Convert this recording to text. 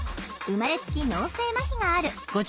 生まれつき脳性まひがある。